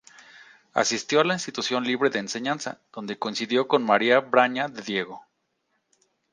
Asistió a la Institución Libre de Enseñanza, donde coincidió con María Braña de Diego.